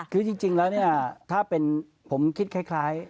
คือจริงแล้วเนี่ยถ้าเป็นผมคิดคล้าย